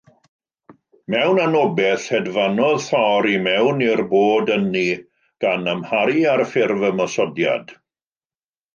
Mewn anobaith, hedfanodd Thor i mewn i'r bod ynni, gan amharu ar ffurf Ymosodiad.